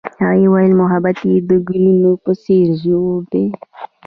هغې وویل محبت یې د ګلونه په څېر ژور دی.